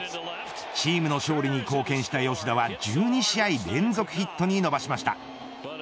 チームの勝利に貢献した吉田は１２試合連続ヒットに伸ばしました。